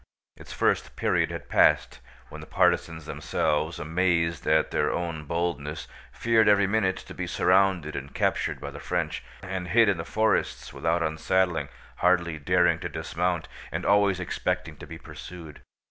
Its first period had passed: when the partisans themselves, amazed at their own boldness, feared every minute to be surrounded and captured by the French, and hid in the forests without unsaddling, hardly daring to dismount and always expecting to be pursued.